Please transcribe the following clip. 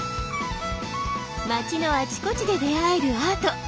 まちのあちこちで出会えるアート。